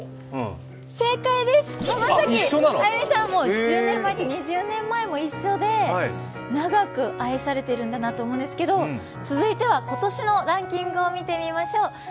正解です、浜崎あゆみさん、１０年前と２０年前も一緒で、長く愛されてるんだなと思うんですけど、続いては今年のランキングを見てみましょう。